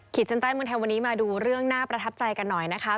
ชั้นใต้เมืองไทยวันนี้มาดูเรื่องน่าประทับใจกันหน่อยนะคะ